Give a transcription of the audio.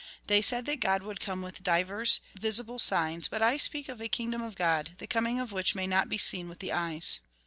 They said that God would come with divers visible signs, but I speak of a kingdom of God, the coming of which may not be seen with the eyes.